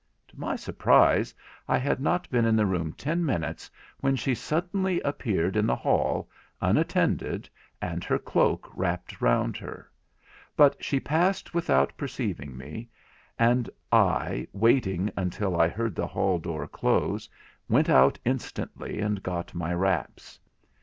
To my surprise, I had not been in the room ten minutes when she suddenly appeared in the hall, unattended, and her cloak wrapped round her; but she passed without perceiving me; and I, waiting until I heard the hall door close, went out instantly and got my wraps.